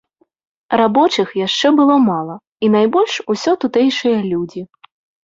Рабочых яшчэ было мала і найбольш усё тутэйшыя людзі.